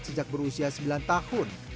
sejak berusia sembilan tahun